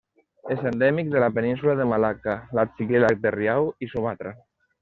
És endèmic de la península de Malacca, l'arxipèlag de Riau i Sumatra.